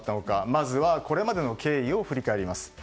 まずはこれまでの経緯を振り返ります。